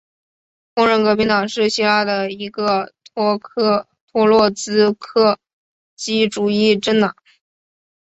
工人革命党是希腊的一个托洛茨基主义政党。